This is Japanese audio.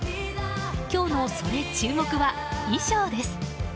今日のソレ注目！は衣装です。